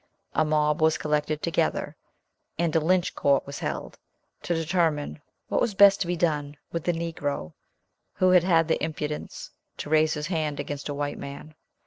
A mob was collected together, and a Lynch court was held, to determine what was best to be done with the Negro who had had the impudence to raise his hand against a white man.